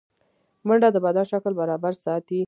منډه د بدن شکل برابر ساتي